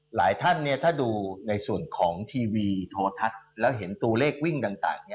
หลายท่านเนี่ยถ้าดูในส่วนของทีวีโทรทัศน์แล้วเห็นตูเลขวิ่งต่างต่างเนี่ย